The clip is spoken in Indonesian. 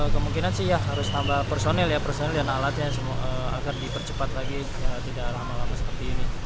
kemungkinan sih ya harus tambah personil ya personil dan alatnya agar dipercepat lagi tidak lama lama seperti ini